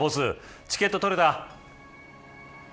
チケット取れた。